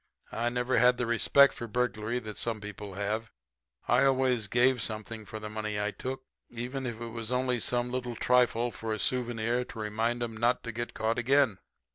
I never had the respect for burglary that some people have. I always gave something for the money I took, even if it was only some little trifle for a souvenir to remind 'em not to get caught again.